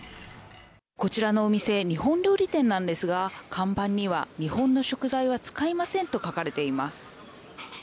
こちらのお店、日本料理店なんですが、看板には、日本の食材は使いませんと書かれています。